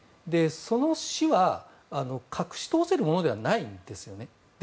その死は隠し通せるものではないんですね。